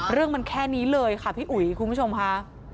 เรื่องมันแค่นี้เลยค่ะพี่อุ๋ยคุณผู้ชมค่ะ